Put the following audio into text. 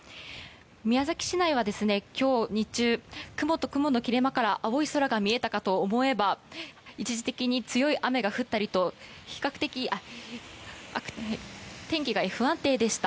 宮崎市内は今日日中雲と雲の切れ間から青い空が見えたかと思えば一時的に強い雨が降ったりと比較的、天気が不安定でした。